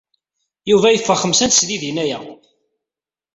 Yuba yeffeɣ xemsa n tesdidin aya.